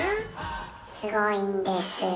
すごいんです。